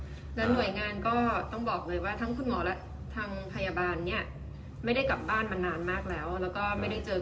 และหน่วยงานก็ต้องบอกเลยว่าทั้งคุณหมอและทางพยาบาลเนี่ยไม่ได้กลับบ้านมานานมากแล้ว